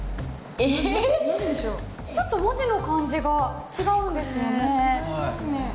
ちょっと文字の感じが違うんですよね。